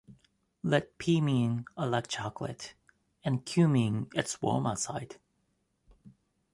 Let "P" mean "I like chocolate" and Q mean "It's warm outside.